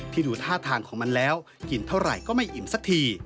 ดูท่าทางของมันแล้วกินเท่าไหร่ก็ไม่อิ่มสักที